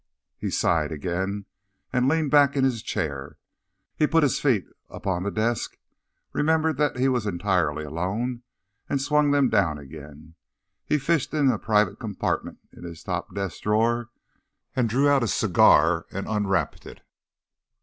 He sighed again and leaned back in his chair. He put his feet up on the desk, remembered that he was entirely alone, and swung them down again. He fished in a private compartment in his top desk drawer, drew out a cigar and unwrapped it.